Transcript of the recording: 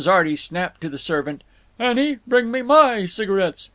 Arty snapped to the servant, "Annie, bring me my cigarettes."